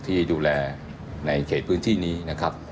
ที่ดูแลในเขตพื้นที่นี้นะครับ